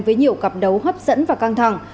với nhiều cặp đấu hấp dẫn và căng thẳng